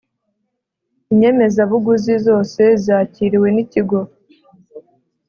inyemezabuguzi zose zakiriwe n ikigo